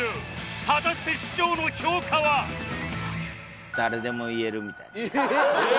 果たして師匠の評価は？ええーっ！